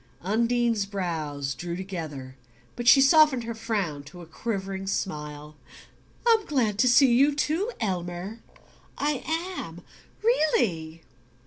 Undine's brows drew together, but she softened her frown to a quivering smile. "I'm glad to see you too, Elmer I am, REALLY!"